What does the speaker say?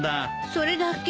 それだけ？